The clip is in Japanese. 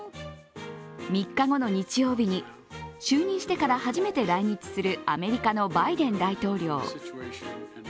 ３日後の日曜日に就任してから初めて来日するアメリカのバイデン大統領。